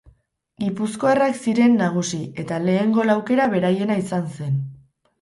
Gipuzkoarrak ziren nagusi eta lehen gol aukera beraiena izan zen.